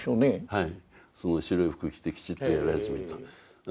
はい。